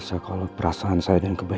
saya harus berpikir pikir untuk elsa